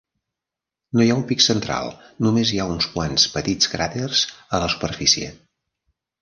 No hi ha un pic central, només hi ha uns quants petits cràters a la superfície.